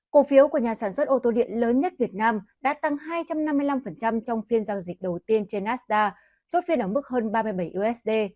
cổ phiếu của nhà sản xuất ô tô điện lớn nhất việt nam đã tăng hai trăm năm mươi năm trong phiên giao dịch đầu tiên trên nastar chốt phiên ở mức hơn ba mươi bảy usd